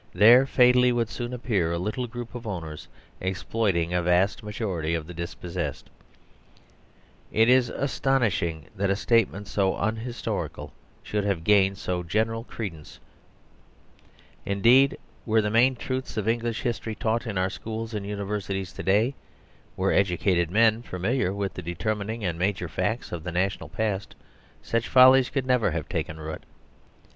therefatally wouldsoon appearalittle groupofow ners exploiting a vast majority of the dispossessed. It is astonishing that a statement so unhistorical 71 THE SERVILE STATE should have gained so general a credence. Indeed, were the main truths of English history taught in our schools and universities to day, were educated men familiar with the determining and major facts of the national past, such follies could never have taken root.